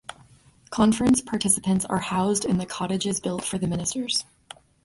Conference participants are housed in the cottages built for the ministers.